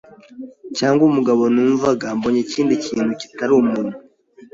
cyangwa umugabo numvaga mbonye ikindi kintu kitari umuntu